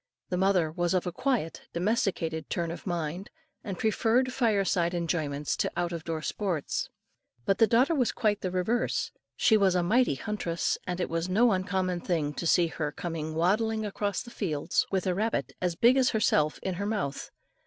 The mother was of a quiet, domesticated turn of mind, and preferred fire side enjoyments to out of door sports; but the daughter was quite the reverse. She was a mighty huntress, and it was no uncommon thing, to see her coming waddling across the fields with a rabbit as big as herself in her mouth.